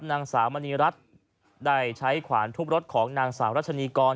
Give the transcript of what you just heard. นางสาวมณีรัฐได้ใช้ขวานทุบรถของนางสาวรัชนีกร